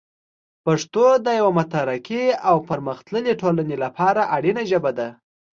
پښتو د یوه مترقي او پرمختللي ټولنې لپاره اړینه ژبه ده.